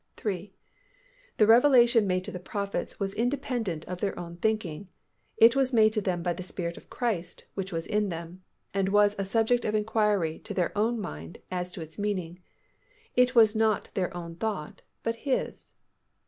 3. _The revelation made to the prophets was independent of their own thinking. It was made to them by the Spirit of Christ which was in them. And was a subject of inquiry to their own mind as to its meaning. It was not their own thought, but His.